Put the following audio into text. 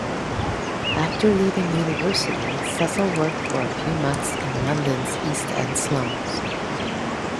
After leaving university, Cecil worked for a few months in London's East End slums.